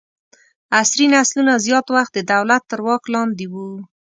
عصري نسلونه زیات وخت د دولت تر واک لاندې وو.